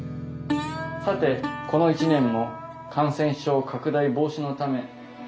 さてこの１年も感染症拡大防止のため。